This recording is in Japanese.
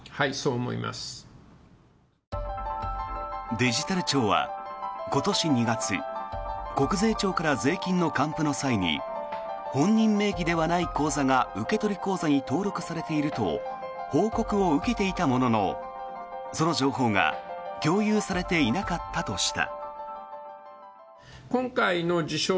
デジタル庁は今年２月国税庁から税金の還付の際に本人名義ではない口座が受取口座に登録されていると報告を受けていたもののその情報が共有されていなかったとした。